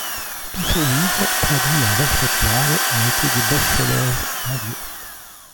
Tous ses livres, traduits en vingt-sept langues, ont été des best-sellers mondiaux.